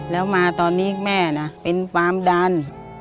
แล้วมาตอนนี้แม่นะเป็นความดัน